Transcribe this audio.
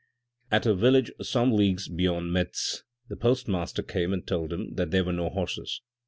At a village some leagues beyond Metz, the postmaster came and told him that there were no horses.